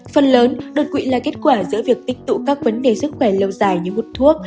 phần lớn đột quỵ là kết quả giữa việc tích tụ các vấn đề sức khỏe lâu dài như hút thuốc